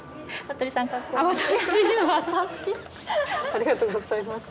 私ありがとうございます